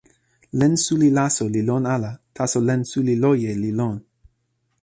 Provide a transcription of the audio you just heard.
len suli laso li lon ala, taso len suli loje li lon.